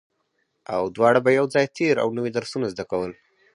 او دواړو به يو ځای تېر او نوي درسونه زده کول